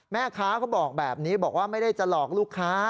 เขาบอกแบบนี้บอกว่าไม่ได้จะหลอกลูกค้า